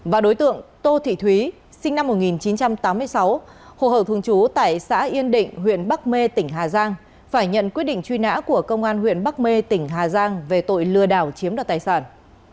và đối tượng tô thị thúy sinh năm một nghìn chín trăm tám mươi sáu hồ hậu thường trú tại xã yên định huyện bắc mê tỉnh hà giang phải nhận quyết định truy nã của công an huyện bắc mê tỉnh hà giang về tội lừa đảo chiếm đoạt tài sản